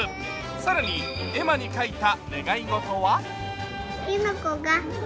更に、絵馬に書いた願い事は？